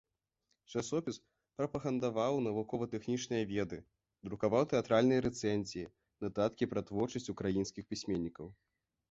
Часопіс прапагандаваў навукова-тэхнічныя веды, друкаваў тэатральныя рэцэнзіі, нататкі пра творчасць украінскіх пісьменнікаў.